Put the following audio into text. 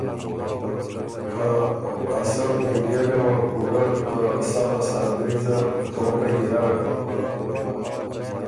که ا سۀ برګېډه وه پُورۀ ته سَۀ پسۀ ګری زر توپئ ګیرډ